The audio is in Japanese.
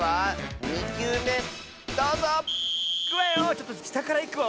ちょっとしたからいくわ。